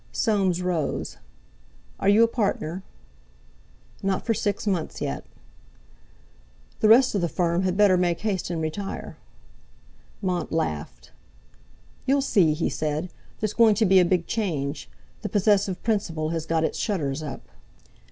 Soames rose. "Are you a partner?" "Not for six months, yet." "The rest of the firm had better make haste and retire." Mont laughed. "You'll see," he said. "There's going to be a big change. The possessive principle has got its shutters up."